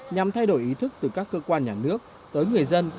nhằm thay đổi ý thức từ các cơ quan nhà nước tới người dân